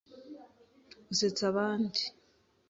Gusetsa abandi.